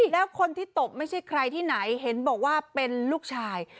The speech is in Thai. แล้วคนที่ตบไม่ใช่ใครที่ไหนเห็นบอกว่าเป็นลูกชาย